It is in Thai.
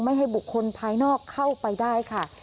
ให้บุคคลภายนอกเข้าไปได้ค่ะ